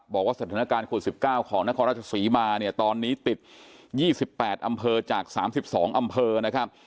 บอกว่าสถานการณ์โควิด๑๙ของนครราชศรีมาเนี่ยตอนนี้ติด๒๘อำเภอจาก๓๒อำเภอนะครับ